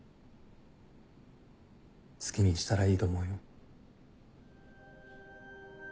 好きにしたらいいと思うよ。